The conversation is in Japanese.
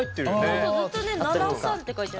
そうそうずっとね「７３」って書いてある。